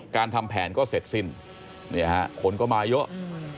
การทำแผนก็เสร็จสิ้นเนี่ยฮะคนก็มาเยอะ